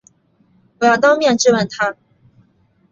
我要当面质问他